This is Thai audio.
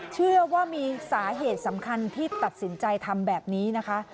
เชื่อว่ามีสาเหตุสำคัญที่ตัดสินใจทำแบบนี้นะคะ